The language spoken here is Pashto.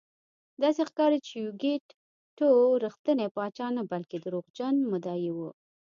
داسې ښکاري چې یوکیت ټو رښتینی پاچا نه بلکې دروغجن مدعي و.